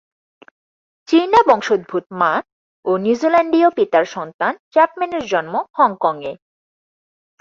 চীনা বংশোদ্ভূত মা ও নিউজিল্যান্ডীয় পিতার সন্তান চ্যাপম্যানের জন্ম হংকংয়ে।